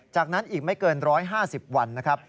จากนั้นอีกไม่เกิน๑๕๐วันนะครับ